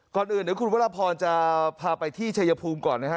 ก่อนอื่นเดี๋ยวคุณวรพรจะพาไปที่ชายภูมิก่อนนะฮะ